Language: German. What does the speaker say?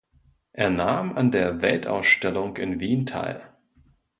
Er nahm an der Weltausstellung in Wien teil.